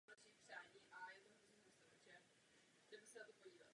Zvuk se tak šíří téměř beze ztrát.